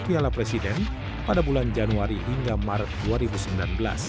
piala presiden pada bulan januari hingga maret dua ribu sembilan belas